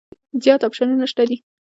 زیات اپشنونه شته دي.